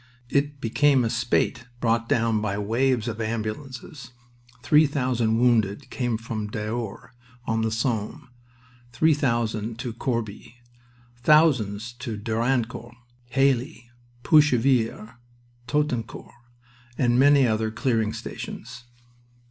It became a spate brought down by waves of ambulances. Three thousand wounded came to Daours on the Somme, three thousand to Corbie, thousands to Dernancourt, Heilly, Puchevillers, Toutencourt, and many other "clearing stations."